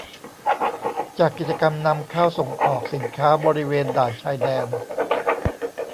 จากกิจกรรมนำเข้าส่งออกสินค้าบริเวณด่านชายแดน